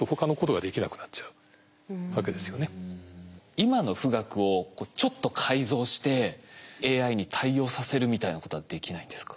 今の富岳をちょっと改造してＡＩに対応させるみたいなことはできないんですか？